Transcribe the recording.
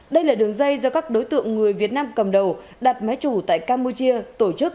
đây là đường dây do các đối tượng người việt nam cầm đầu đặt máy chủ tại campuchia tổ chức